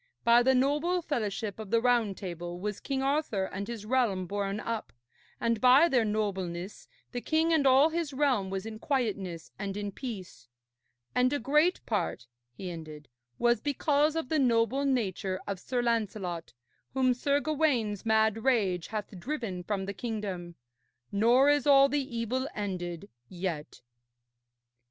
By the noble fellowship of the Round Table was King Arthur and his realm borne up, and by their nobleness the king and all his realm was in quietness and in peace. And a great part,' he ended, 'was because of the noble nature of Sir Lancelot, whom Sir Gawaine's mad rage hath driven from the kingdom. Nor is all the evil ended yet.'